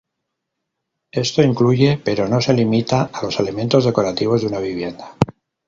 Esto incluye, pero no se limita, a los elementos decorativos de una vivienda.